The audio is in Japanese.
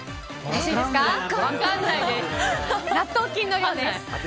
納豆菌の量です。